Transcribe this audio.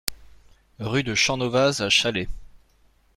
Rue de Champnovaz à Challex